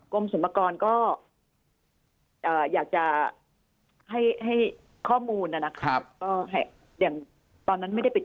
กรมสมกรณ์ก็อยากจะให้ข้อมูลนะนะครับตอนนั้นไม่ได้ไปติด